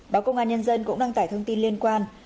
báo công an nhân dân cũng đăng tải thông tin liên quan